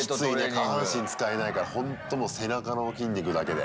下半身使えないからほんと、もう背中の筋肉だけで。